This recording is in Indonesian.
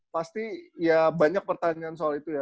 pasti ya banyak pertanyaan soal itu ya